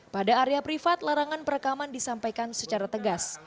pada area privat larangan perekaman disampaikan secara tegas